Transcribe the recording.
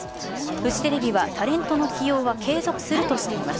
フジテレビはタレントの起用は継続するとしています。